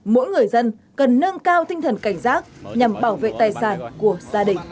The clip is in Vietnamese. mỗi người dân cần nâng cao tinh thần cảnh giác nhằm bảo vệ tài sản của gia đình